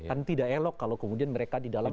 itu elok kalau kemudian mereka di dalam